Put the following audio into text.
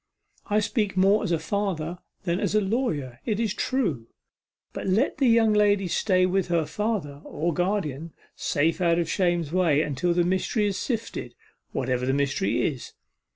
I speak more as a father than as a lawyer, it is true, but, let the young lady stay with her father, or guardian, safe out of shame's way, until the mystery is sifted, whatever the mystery is.